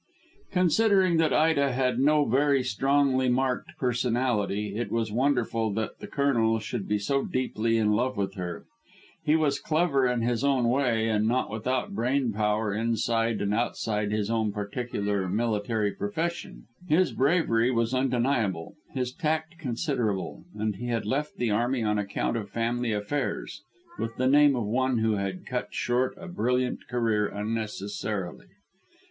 Considering that Ida had no very strongly marked personality, it was wonderful that the Colonel should be so deeply in love with her. He was clever in his own way, and not without brain power inside and outside his own particular military profession. His bravery was undeniable, his tact considerable, and he had left the Army on account of family affairs with the name of one who had cut short a brilliant career unnecessarily.